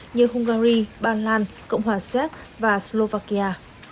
như hungary bàn lan cộng hòa xếp và slovakia